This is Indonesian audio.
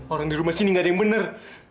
orang di rumah sini gak ada yang benar